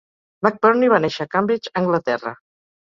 McBurney va néixer a Cambridge, Anglaterra.